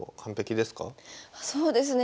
そうですね